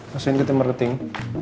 pasangin ke tim marketing